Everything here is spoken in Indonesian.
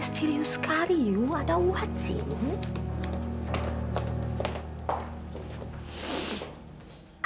mysterius sekali yuk ada what sih